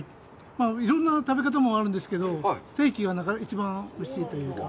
いろんな食べ方もあるんですけど、ステーキが一番おいしいというか。